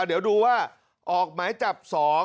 เดี๋ยวดูว่าออกหมายจับ๒